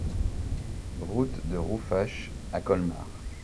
Route de Rouffach à Colmar